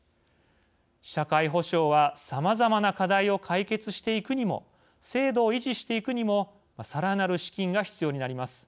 社会保障はさまざまな課題を解決していくにも制度を維持していくにもさらなる資金が必要になります。